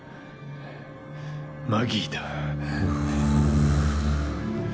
マギーだ。